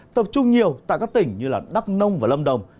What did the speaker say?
tập trung nhiều tại các tỉnh như đắk nông và lâm đồng